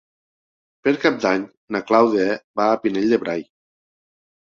Per Cap d'Any na Clàudia va al Pinell de Brai.